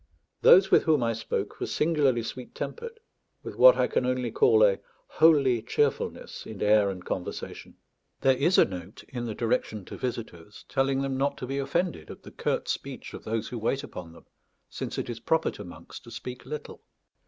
Those with whom I spoke were singularly sweet tempered, with what I can only call a holy cheerfulness in air and conversation. There is a note, in the direction to visitors, telling them not to be offended at the curt speech of those who wait upon them, since it is proper to monks to speak little.